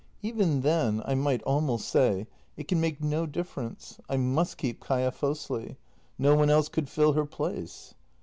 Even then — I might almost say — it can make no dif ference. I m u s t keep Kaia Fosli. No one else could fill her place.